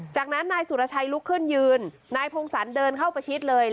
จากนั้นนายสุรชัยลุกขึ้นยืนนายพงศรเดินเข้าประชิดเลย